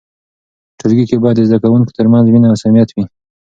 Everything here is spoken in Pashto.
په ټولګي کې باید د زده کوونکو ترمنځ مینه او صمیمیت وي.